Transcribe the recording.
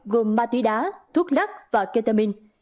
gồm ma túy đá thuốc nắc và ketamin